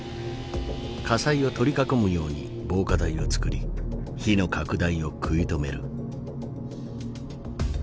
火災を取り囲むように防火帯を作り火の拡大を食い止める。